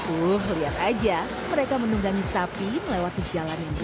uh lihat aja mereka menunggangi sapi melewati jalan yang berbeda